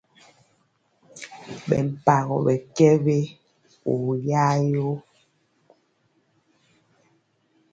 Ɓɛ mpagɔ ɓɛ kɛ we oyayoo.